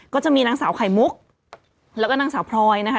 ก็จะมีนางสาวไข่มุกแล้วก็นางสาวพลอยนะคะ